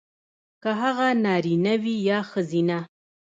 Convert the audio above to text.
کـه هغـه نـاريـنه وي يـا ښـځيـنه .